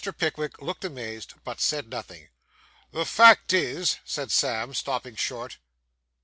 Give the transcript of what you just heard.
Pickwick looked amazed, but said nothing. 'The fact is ' said Sam, stopping short.